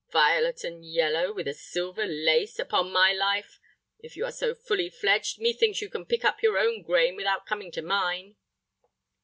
Violet and yellow, with a silver lace, upon my life! If you are so fully fledged, methinks you can pick up your own grain without coming to mine."